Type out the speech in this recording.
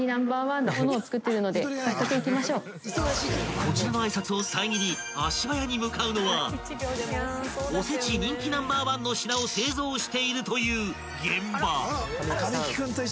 ［こちらの挨拶を遮り足早に向かうのはおせち人気Ｎｏ．１の品を製造しているという現場］